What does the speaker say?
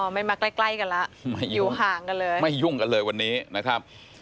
ไม่มาใกล้กันแล้วอยู่ห่างกันเลยไม่ยุ่งกันเลยวันนี้นะครับ